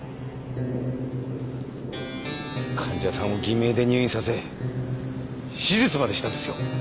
患者さんを偽名で入院させ手術までしたんですよ。